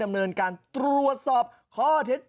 คุณรับหรือฮะยัง